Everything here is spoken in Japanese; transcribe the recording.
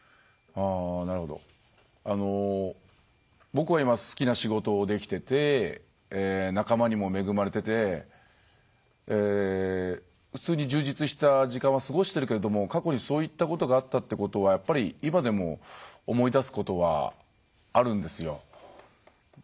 僕は今好きな仕事をできてて仲間にも恵まれてて普通に充実した時間は過ごしてるけれども過去にそういったことがあったっていうことはやっぱり今でも思い出すことはあるんですよ。